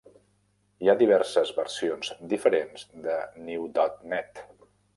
Hi ha diverses versions diferents de NewDotNet.